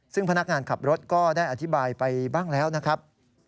ซึ่งพนักงานขับรถก็ได้อธิบายไปบ้างแล้วนะครับ